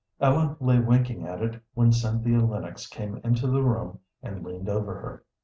Ellen lay winking at it when Cynthia Lennox came into the room and leaned over her.